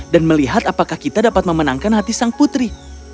melihat apakah kita dapat memenangkan hati sang putri